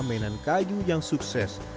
mainan kayu yang sukses